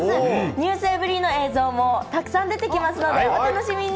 ｎｅｗｓｅｖｅｒｙ．の映像もたくさん出てきますので、お楽しみに。